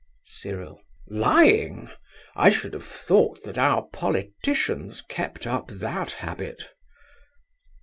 CYRIL. Lying! I should have thought that our politicians kept up that habit.